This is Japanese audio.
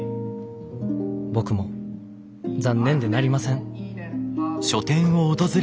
僕も残念でなりません」。